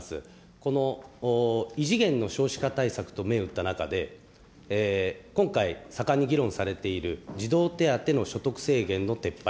この異次元の少子化対策と銘打った中で、今回、盛んに議論されている児童手当の所得制限の撤廃。